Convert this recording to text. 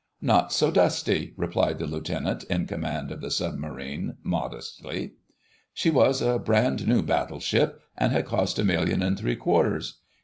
"Not so dusty," replied the Lieutenant in command of the Submarine, modestly. She was a brand new Battleship, and had cost a million and three quarters.